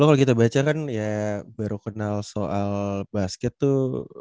kalau kita baca kan ya baru kenal soal basket tuh